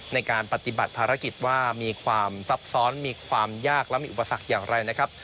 ในการปฏิบัติภารกิจว่ามีความซับซ้อนมีความยากและมีอุปสรรคอย่างไรนะครับ